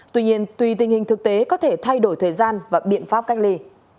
tuy nhiên tùy tình hình thực tế có thể thay đổi thời gian và biện pháp cách ly